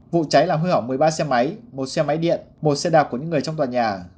vụ cháy làm hư hỏng một mươi ba xe máy một xe máy điện một xe đạp của những người trong tòa nhà